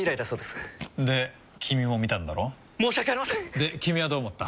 で君はどう思った？